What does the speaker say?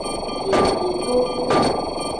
Vividodo.